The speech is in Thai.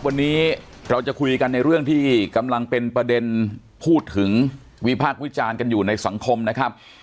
วันนี้เราจะคุยกันในเรื่องที่กำลังเป็นประเด็นพูดถึงวิพากษ์วิจารณ์กันอยู่ในสังคมนะครับ